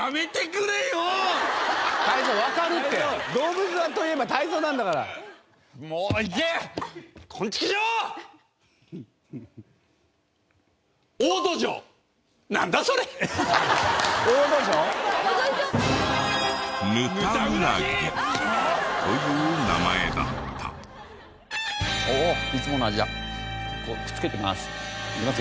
くっつけてます。